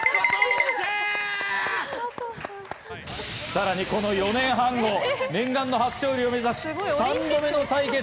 さらにこの４年半後、念願の初勝利を目指し、３度目の対決。